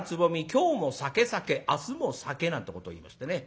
今日も咲け咲け明日も咲け」なんてことをいいましてね